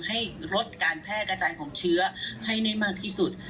ให้ลดการแพร่กระจายของเชื้อให้ได้มากที่สุด